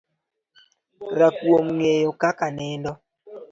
Rakuom ngeyo kaka nindo